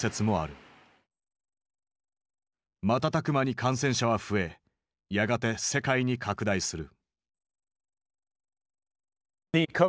瞬く間に感染者は増えやがて世界に拡大する。